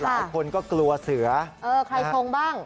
หลายคนก็กลัวเสือเออใครทรงบ้าง